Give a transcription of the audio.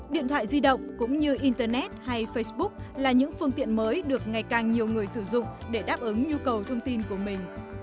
điện thoại di động cũng như internet hay facebook là những phương tiện mới được ngày càng nhiều người sử dụng để đáp ứng nhu cầu thông tin của mình